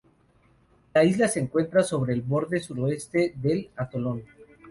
La isla se encuentra sobre el borde suroeste del atolón.